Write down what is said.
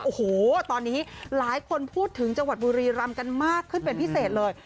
โอ้โหตอนนี้หลายคนพูดถึงจังหวัดบุรีรำกันมากขึ้นเป็นพิเศษเลย